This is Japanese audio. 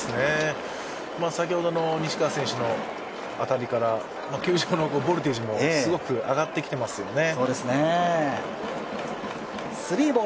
先ほどの西川選手の当たりから球場のボルテージもすごく上がってきていますよね。